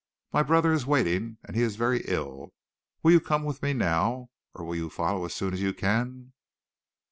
My brother is waiting, and he is very ill. Will you come with me now, or will you follow as soon as you can?"